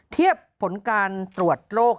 เทียบผลการตรวจโรค